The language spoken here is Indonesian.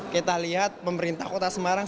kita lihat pemerintah kota semarang